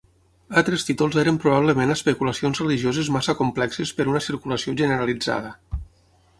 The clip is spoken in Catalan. Altres títols eren probablement especulacions religioses massa complexes per una circulació generalitzada.